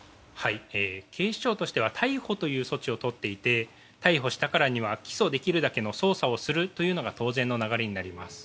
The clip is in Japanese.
警視庁としては逮捕という措置をとっていて逮捕したからには起訴できるだけの捜査をするというのが当然の流れになります。